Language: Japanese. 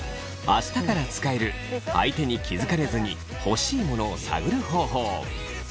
明日から使える相手に気づかれずに欲しい物を探る方法。